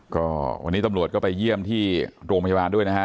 ก็วันนี้ตำรวจก็ไปเยี่ยมที่โรงพยาบาลด้วยนะฮะ